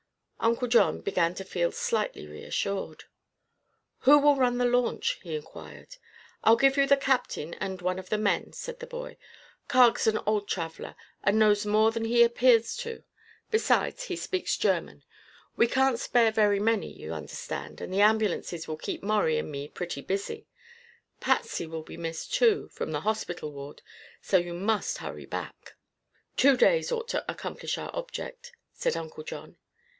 Uncle John began to feel slightly reassured. "Who will run the launch?" he inquired. "I'll give you the captain and one of the men," said the boy. "Carg's an old traveler and knows more than he appears to. Besides, he speaks German. We can't spare very many, you understand, and the ambulances will keep Maurie and me pretty busy. Patsy will be missed, too, from the hospital ward, so you must hurry back." "Two days ought to accomplish our object," said Uncle John.